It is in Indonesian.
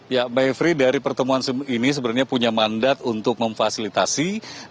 ya mbak evri dari pertemuan ini sebenarnya punya mandat untuk memfasilitasi